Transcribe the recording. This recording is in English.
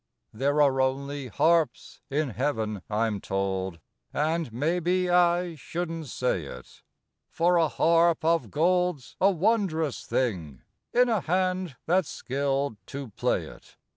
There are only harps in heaven, I'm told, And maybe I shouldn't say it, For a harp of gold's a wondrous thing In a hand that's skilled to play it.